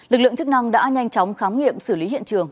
lực lượng chức năng đã nhanh chóng khám nghiệm xử lý hiện trường